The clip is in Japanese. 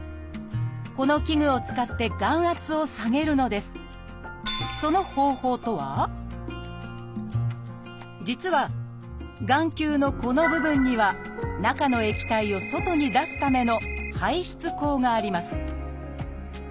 この器具を使って眼圧を下げるのです実は眼球のこの部分には中の液体を外に出すための排出口があります。